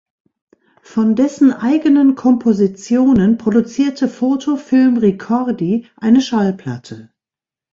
Von dessen eigenen Kompositionen produzierte Foto Film Ricordi eine Schallplatte.